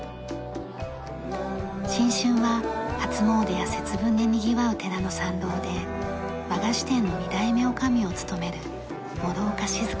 新春は初詣や節分でにぎわう寺の参道で和菓子店の２代目女将を務める。